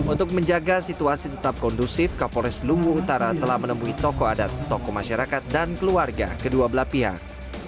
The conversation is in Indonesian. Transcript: untuk menjaga situasi tetap kondusif kapolres lumbung utara telah menemui tokoh adat tokoh masyarakat dan keluarga kedua belah pihak